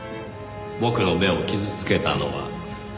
僕の目を傷つけたのは。